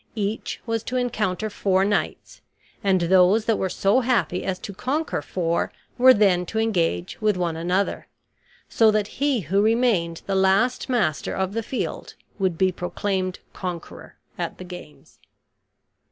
Each was to encounter four knights, and those that were so happy as to conquer four were then to engage with one another; so that he who remained the last master of the field would be proclaimed conqueror at the games.